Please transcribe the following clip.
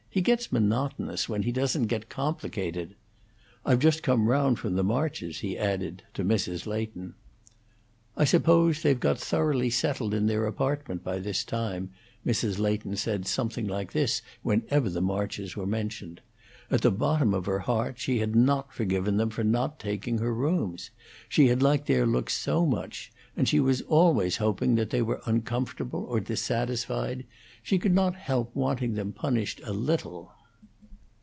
He gets monotonous, when he doesn't get complicated. I've just come round from the Marches'," he added, to Mrs. Leighton. "I suppose they've got thoroughly settled in their apartment by this time." Mrs. Leighton said something like this whenever the Marches were mentioned. At the bottom of her heart she had not forgiven them for not taking her rooms; she had liked their looks so much; and she was always hoping that they were uncomfortable or dissatisfied; she could not help wanting them punished a little.